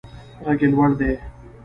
غږ یې لوړ دی.